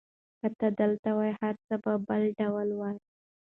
که ته دلته وای، هر څه به بل ډول وو.